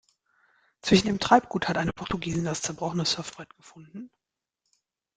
Zwischen dem Treibgut hat eine Portugiesin das zerbrochene Surfbrett gefunden.